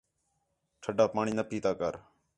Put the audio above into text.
ٹھڈا پاݨی نہ پِیتا کر